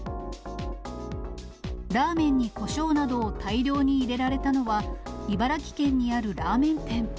ラーメンにこしょうなどを大量に入れられたのは、茨城県にあるラーメン店。